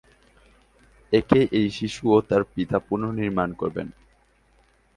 একে এই শিশু ও তাঁর পিতা পুনঃনির্মাণ করবেন।